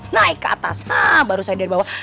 naik ke atas baru saya dari bawah